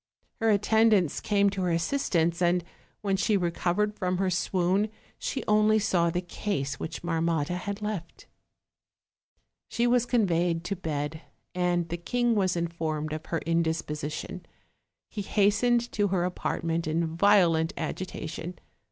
Her attendants came to her assistance, and when she recovered from her swoon she only saw the case which Marmotta had left. She was conveyed to bed, and the king was informed of her indisposition; he hastened to her apartment in violent agitation.